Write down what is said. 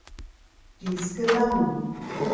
Dies gelang.